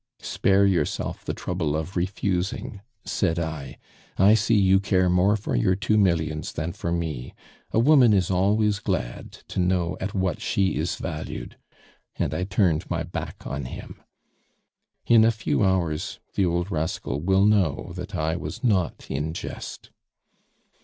"'Spare yourself the trouble of refusing,' said I; 'I see you care more for your two millions than for me. A woman is always glad to know at what she is valued!' and I turned my back on him. "In a few hours the old rascal will know that I was not in jest.